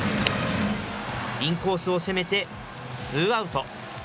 インコースを攻めてツーアウト。